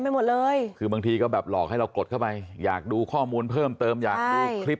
ไปหมดเลยคือบางทีก็แบบหลอกให้เรากดเข้าไปอยากดูข้อมูลเพิ่มเติมอยากดูคลิป